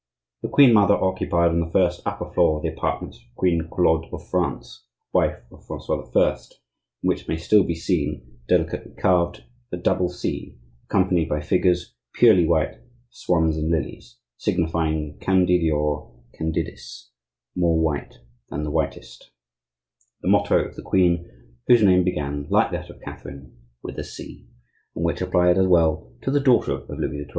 The queen mother occupied on the first upper floor of the apartments of Queen Claude of France, wife of Francois I., in which may still be seen, delicately carved, the double C accompanied by figures, purely white, of swans and lilies, signifying candidior candidis—more white than the whitest—the motto of the queen whose name began, like that of Catherine, with a C, and which applied as well to the daughter of Louis XII.